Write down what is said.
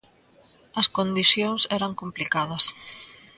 As condicións eran complicadas.